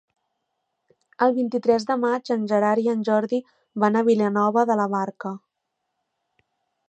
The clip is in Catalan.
El vint-i-tres de maig en Gerard i en Jordi van a Vilanova de la Barca.